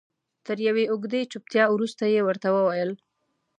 تر یوې اوږدې چوپتیا وروسته یې ورته وویل.